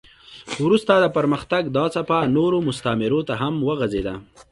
وروسته د پرمختګ دا څپه نورو مستعمرو ته هم وغځېده.